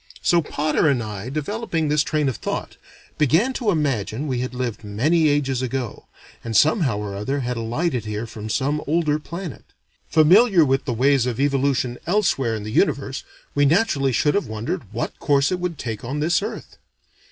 So Potter and I, developing this train of thought, began to imagine we had lived many ages ago, and somehow or other had alighted here from some older planet. Familiar with the ways of evolution elsewhere in the universe, we naturally should have wondered what course it would take on this earth.